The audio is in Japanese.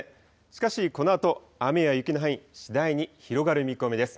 しかし、このあと、雨や雪の範囲、次第に広がる見込みです。